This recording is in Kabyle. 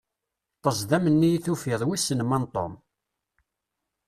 Ṭṭezdam-nni i tufiḍ, wissen ma n Tom?